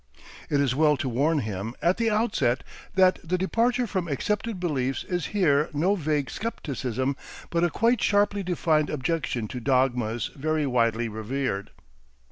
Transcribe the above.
It is well to warn him at the outset that the departure from accepted beliefs is here no vague scepticism, but a quite sharply defined objection to dogmas very widely revered.